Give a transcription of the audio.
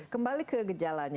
kembali ke gejalanya